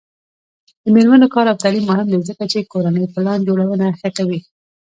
د میرمنو کار او تعلیم مهم دی ځکه چې کورنۍ پلان جوړونه ښه کوي.